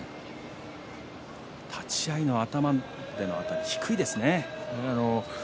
立ち合いの頭でのあたり低いですね。